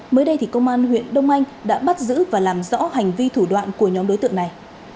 mới đây thì công an huyện đông anh đã bắt giữ và làm rõ hành vi thủ đoạn của nhóm đối tượng này